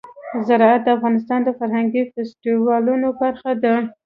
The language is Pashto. زراعت د افغانستان د فرهنګي فستیوالونو برخه ده.